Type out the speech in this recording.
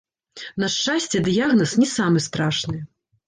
На шчасце, дыягназ не самы страшны.